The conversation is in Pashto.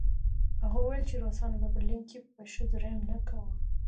هغه وویل چې روسانو په برلین کې په ښځو رحم نه کاوه